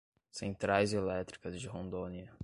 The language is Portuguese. Centrais Elétricas de Rondônia